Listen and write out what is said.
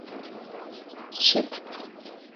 Şsitf.